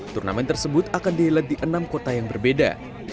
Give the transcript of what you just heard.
turnamen tersebut akan dihelat di enam kota yang berbeda